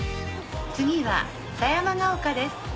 次は狭山ヶ丘です。